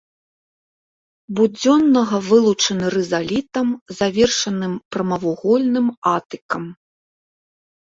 Будзённага вылучаны рызалітам, завершаным прамавугольным атыкам.